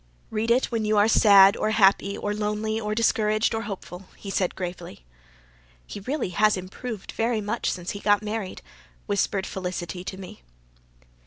"Read it when you are sad or happy or lonely or discouraged or hopeful," he said gravely. "He has really improved very much since he got married," whispered Felicity to me.